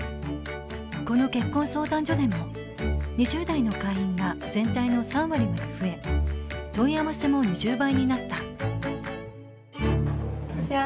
この結婚相談所でも２０代の会員が全体の３割まで増え問い合わせも２０倍になった。